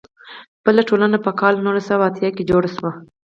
بله ټولنه په کال نولس سوه اتیا کې جوړه شوه.